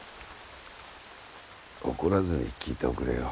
怒らずに聞いておくれよ。